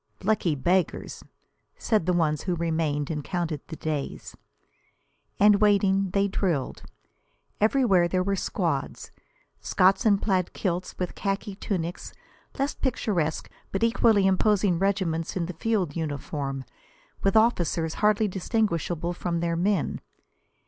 "Lucky beggars!" said the ones who remained, and counted the days. And waiting, they drilled. Everywhere there were squads: Scots in plaid kilts with khaki tunics; less picturesque but equally imposing regiments in the field uniform, with officers hardly distinguishable from their men.